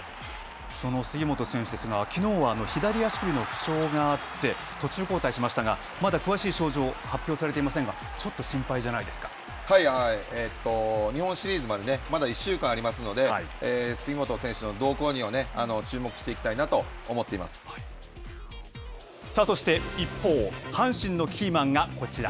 その杉本選手ですが、きのうは左足首の負傷があって、途中交代しましたが、まだ詳しい症状が発表されていませんが、ちょっと心日本シリーズまで、まだ１週間ありますので、杉本選手の動向には、注目していきたいなと思ってそして、一方阪神のキーマンがこちら。